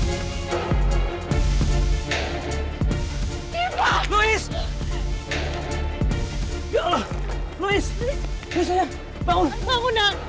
sifah bangun sayang